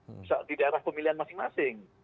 bisa di daerah pemilihan masing masing